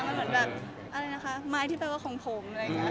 มันแบบไม้ที่แปลว่าของผม